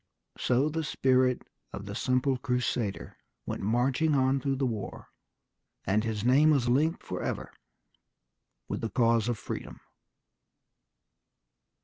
So the spirit of the simple crusader went marching on through the war, and his name was linked forever with the cause of freedom.